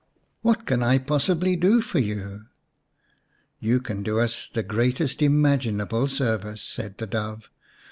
" What can I possibly do for you ?"" You can do us the greatest imaginable service," said the Dove.